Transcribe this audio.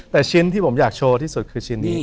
แต่ชิ้นที่ผมอยากโชว์ที่สุดคือชิ้นนี้